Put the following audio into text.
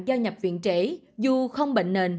do nhập viện trễ dù không bệnh nền